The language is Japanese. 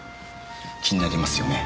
気になりますよね。